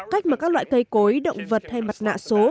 cách mà các loại cây cối động vật hay mặt nạ số